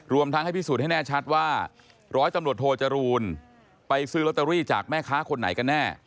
ทั้งให้พิสูจน์ให้แน่ชัดว่าร้อยตำรวจโทจรูลไปซื้อลอตเตอรี่จากแม่ค้าคนไหนกันแน่